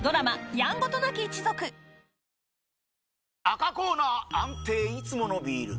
赤コーナー安定いつものビール！